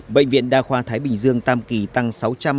bệnh viện đa khoa thái bình dương tam kỳ tăng sáu trăm một mươi ba bảy